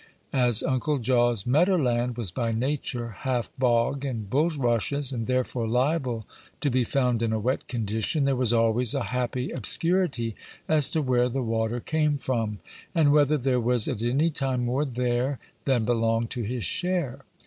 As Uncle Jaw's "medder land" was by nature half bog and bulrushes, and therefore liable to be found in a wet condition, there was always a happy obscurity as to where the water came from, and whether there was at any time more there than belonged to his share.